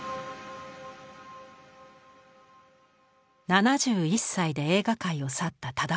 ７１歳で映画界を去った楠音。